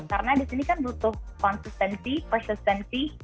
tapi kan butuh konsistensi persistensi